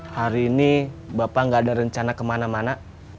hari ini bapak nggak ada rencana kemana mana